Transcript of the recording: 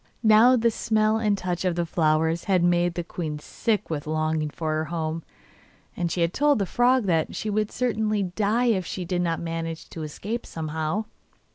Now the smell and touch of the flowers had made the queen sick with longing for her home, and she told the frog that she would certainly die if she did not manage to escape somehow.